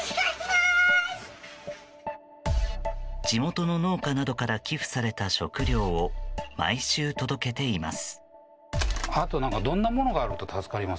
地元の農家などから寄付された食料を毎週届けています。